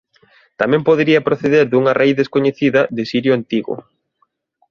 Tamén podería proceder dunha raíz descoñecida de sirio antigo.